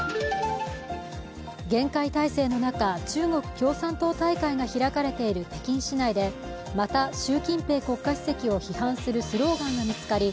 厳戒態勢の中、中国共産党大会が開かれている北京市内でまた習近平国家主席を批判するスローガンが見つかり